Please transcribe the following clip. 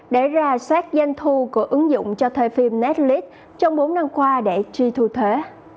đã ra sát danh thu của ứng dụng cho thuê phim netflix trong bốn năm qua để tri thu thuế